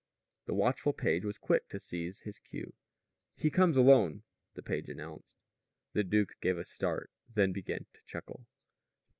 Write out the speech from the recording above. The watchful page was quick to seize his cue. "He comes alone," the page announced. The duke gave a start, then began to chuckle.